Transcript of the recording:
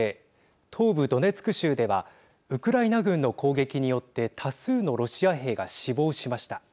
東部ドネツク州ではウクライナ軍の攻撃によって多数のロシア兵が死亡しました。